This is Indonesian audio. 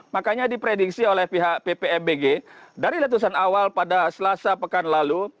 makanya diprediksi oleh pihak ppmbg dari letusan awal pada selasa pekan lalu